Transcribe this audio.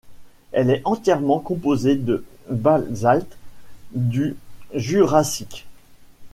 Elle est entièrement composée de basalte du Jurassique.